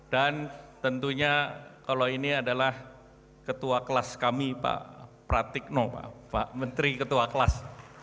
dan tentunya kalau ini adalah ketua kelas kami pak pratikno pak menteri ketua kelas